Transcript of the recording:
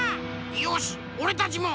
よしおれたちも！